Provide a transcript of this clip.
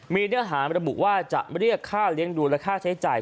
มีเนื้อหาระบุว่าจะเรียกค่าเลี้ยงดูและค่าใช้จ่าย